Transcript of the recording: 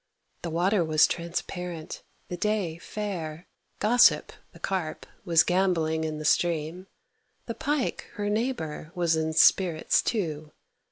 The water was transparent, the day fair, Gossip, the Carp, was gambolling in the stream: The Pike, her neighbour, was in spirits, too.